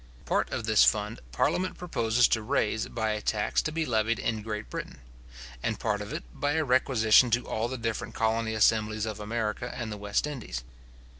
Part of this fund parliament proposes to raise by a tax to be levied in Great Britain; and part of it by a requisition to all the different colony assemblies of America and the West Indies.